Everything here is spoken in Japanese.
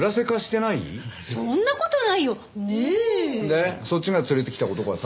でそっちが連れてきた男はさ。